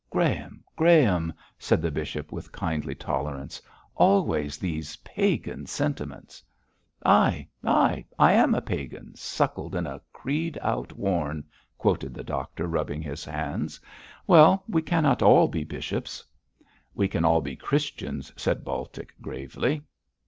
'Graham, Graham,' said the bishop, with kindly tolerance, 'always these Pagan sentiments.' 'Ay! ay! I am a Pagan suckled in a creed outworn,' quoted the doctor, rubbing his hands. 'Well, we cannot all be bishops.' 'We can all be Christians,' said Baltic, gravely.